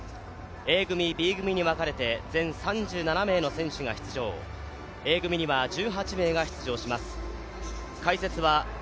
Ａ組、Ｂ組に分かれて、全３８名が出場全３７名の選手が出場Ａ組には１７名が出場します。